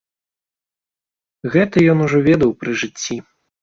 Гэта ён ужо ведаў пры жыцці.